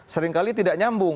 seringkali tidak nyambung